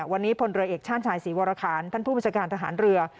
วันนี้พลเรือเอกชาติชายศรีวรคารท่านผู้บัญชาการทหารเรือ